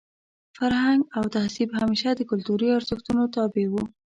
فرهنګ او تهذیب همېشه د کلتوري ارزښتونو تابع وو.